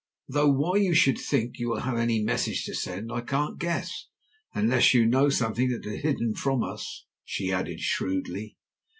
Though why you should think you will have any message to send, I can't guess, unless you know something that is hidden from us," she added shrewdly.